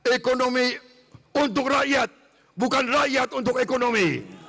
ekonomi untuk rakyat bukan rakyat untuk ekonomi